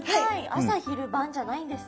朝昼晩じゃないんですね。